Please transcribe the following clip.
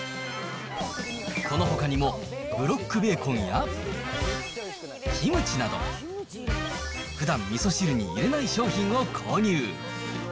このほかにも、ブロックベーコンやキムチなど、ふだん、みそ汁に入れない商品を購入。